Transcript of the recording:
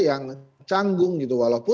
yang canggung gitu